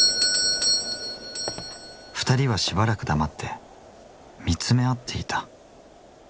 ２人はしばらく黙って見つめ合っていた。